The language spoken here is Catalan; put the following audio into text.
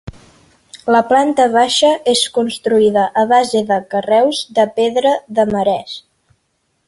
La planta baixa és construïda a base de carreus de pedra de marès.